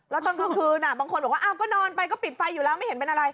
แล้วตอนกลางคืนบางคนบอกว่าก็นอนไปก็ปิดไฟอยู่แล้วไม่เห็นเป็นอะไร